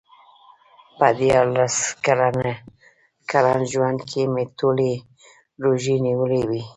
په دیارلس کلن ژوند کې مې ټولې روژې نیولې وې.